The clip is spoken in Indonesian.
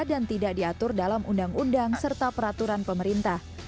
dan tidak diatur dalam undang undang serta peraturan pemerintah